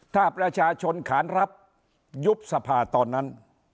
ถ้าประชาชนขานรับยุบสภาตอนนั้น